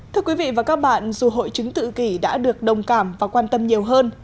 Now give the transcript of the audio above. thưa quý vị và các bạn dù hội chứng tự kỷ đã được đồng cảm và quan tâm nhiều hơn